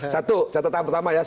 satu catatan pertama ya